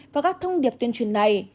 và các thông điệp tuyên truyền này